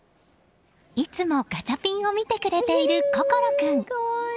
いつもガチャピンを見てくれている、心君。